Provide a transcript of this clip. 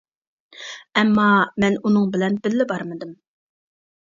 ئەمما، مەن ئۇنىڭ بىلەن بىللە بارمىدىم.